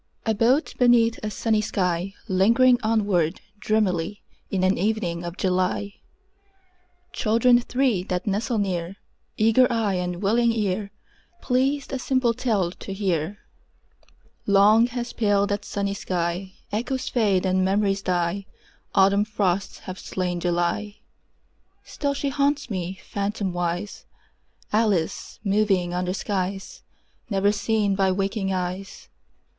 A boat beneath a sunny sky, Lingering onward dreamily In an evening of July— Children three that nestle near, Eager eye and willing ear, Pleased a simple tale to hear— Long has paled that sunny sky: Echoes fade and memories die. Autumn frosts have slain July. Still she haunts me, phantomwise, Alice moving under skies Never seen by waking eyes.